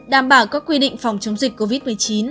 đảm bảo các quy định phòng chống dịch covid một mươi chín